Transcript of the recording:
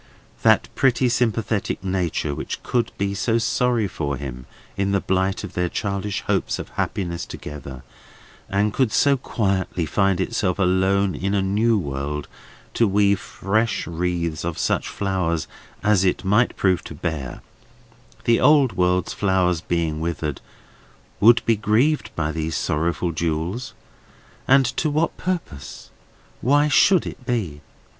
That pretty sympathetic nature which could be so sorry for him in the blight of their childish hopes of happiness together, and could so quietly find itself alone in a new world to weave fresh wreaths of such flowers as it might prove to bear, the old world's flowers being withered, would be grieved by those sorrowful jewels; and to what purpose? Why should it be?